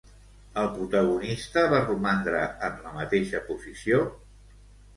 El protagonista va romandre en la mateixa posició?